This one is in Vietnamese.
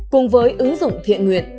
cùng với ứng dụng thiện nguyện